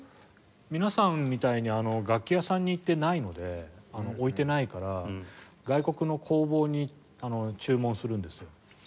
皆さんみたいに楽器屋さんに行ってないので置いてないから外国の工房に注文するんですよ。